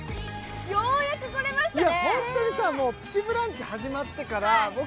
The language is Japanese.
ようやく来れましたね